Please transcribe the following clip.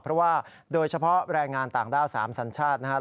เพราะว่าโดยเฉพาะแรงงานต่างด้าว๓สัญชาตินะครับ